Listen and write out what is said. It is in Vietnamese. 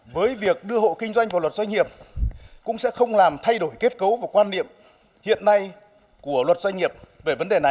với việc đưa hộ kinh doanh vào luật doanh nghiệp cũng sẽ không làm thay đổi kết cấu và quan niệm hiện nay của luật doanh nghiệp về vấn đề này